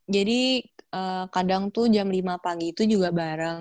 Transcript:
jadi kadang tuh jam lima pagi tuh juga bareng